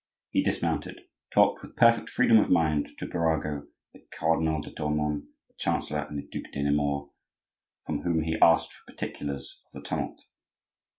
He dismounted, talked with perfect freedom of mind to Birago, the Cardinal de Tournon, the chancellor, and the Duc de Nemours, from whom he asked for particulars of the "tumult."